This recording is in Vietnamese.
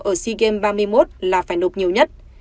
ở sea games ba mươi một là phải nộp nhiều nhất